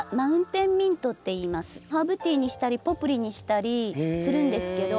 ハーブティーにしたりポプリにしたりするんですけど。